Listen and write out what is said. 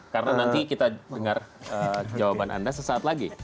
karena nanti kita dengar jawaban anda sesaat lagi